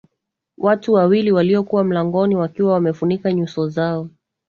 Watu wawili waliokuwa mlangoni wakiwa wamefunika nyuso zao